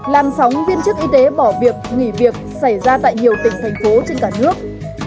làn sóng viên chức y tế bỏ việc nghỉ việc xảy ra tại nhiều tỉnh thành phố trên cả nước